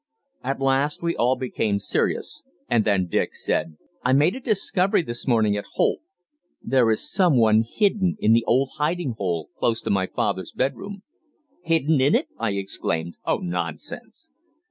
At last we all became serious, and then Dick said: "I made a discovery this morning at Holt. There is someone hidden in the old hiding hole close to father's bedroom." "Hidden in it!" I exclaimed. "Oh, nonsense!"